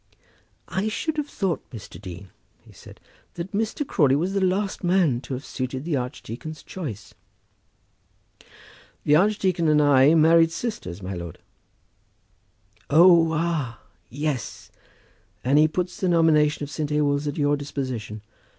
"I should have thought, Mr. Dean," he said, "that Mr. Crawley was the last man to have suited the archdeacon's choice." "The archdeacon and I married sisters, my lord." "Oh, ah! yes. And he puts the nomination of St. Ewolds at your disposition.